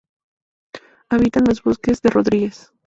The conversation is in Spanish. Habita en los bosques de Rodrigues.